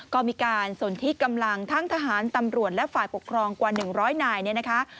ก็มีการสนที่กำลังทั้งทหารตำรวจและฝ่ายปกครองกว่า๑๐๐นายเนี่ยนะคะ